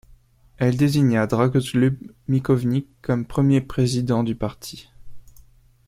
Elle désigna Dragoljub Mićunović comme premier président du parti.